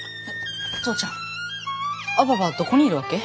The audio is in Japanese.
父ちゃんアババはどこにいるわけ？